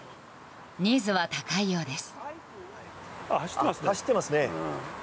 ニーズは高いようです。